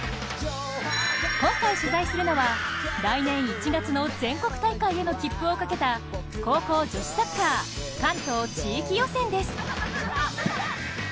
今回取材するのは来年１月の全国大会の切符をかけた高校女子サッカー関東地域予選です。